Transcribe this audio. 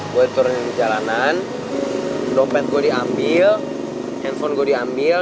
gue turun jalanan dompet gue diambil handphone gue diambil